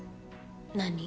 何？